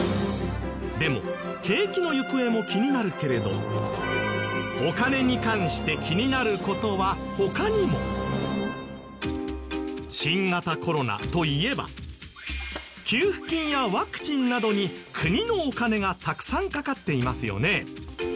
でも景気の行方も気になるけれどお金に関して気になる事は他にも。新型コロナといえば給付金やワクチンなどに国のお金がたくさん掛かっていますよね。